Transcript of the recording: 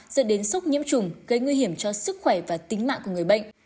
dẫn đến sốc nhiễm trùng gây nguy hiểm cho sức khỏe và tính mạng của người bệnh